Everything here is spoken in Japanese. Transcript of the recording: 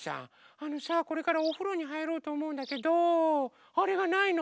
あのさこれからおふろにはいろうとおもうんだけどあれがないの！